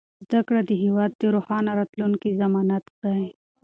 زده کړه د هېواد د روښانه راتلونکي ضمانت دی.